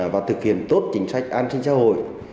và thực hiện tốt chính sách an sinh xã hội